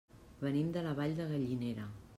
Venim de la Vall de Gallinera.